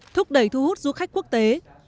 thúc đẩy thu hút du khách quốc tế